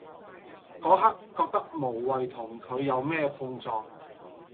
嗰刻覺得無謂同佢有咩碰撞